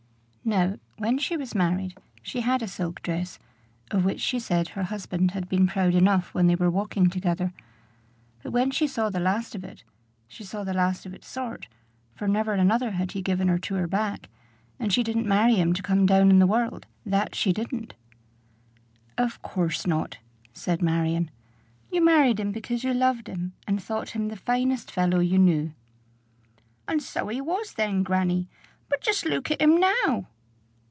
Now, when she was married, she had a silk dress, of which she said her husband had been proud enough when they were walking together. But when she saw the last of it, she saw the last of its sort, for never another had he given her to her back; and she didn't marry him to come down in the world that she didn't! "Of course not," said Marion. "You married him because you loved him, and thought him the finest fellow you knew." "And so he was then, grannie. But just look at him now!"